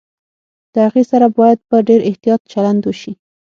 د هغې سره باید په ډېر احتياط چلند وشي